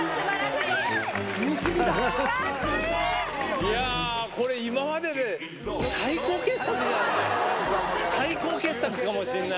いやー、これ今までで最高傑作じゃない？